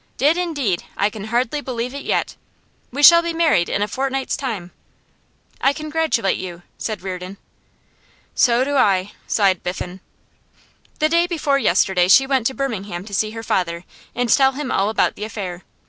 Did indeed! I can hardly believe it yet. We shall be married in a fortnight's time.' 'I congratulate you,' said Reardon. 'So do I,' sighed Biffen. 'The day before yesterday she went to Birmingham to see her father and tell him all about the affair.